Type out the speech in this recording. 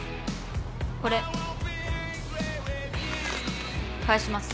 これ返します。